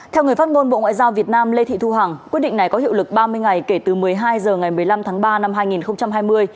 theo người phát ngôn bộ ngoại giao việt nam lê thị thu hằng quyết định này có hiệu lực ba mươi ngày kể từ một mươi hai h ngày một mươi năm tháng ba năm hai nghìn hai mươi